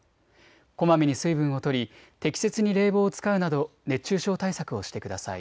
こまめに水分を取り適切に冷房を使うなど熱中症対策をしてください。